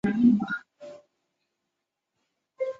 大埔会馆作为南昌起义南下部队指挥部的时间仅有七日。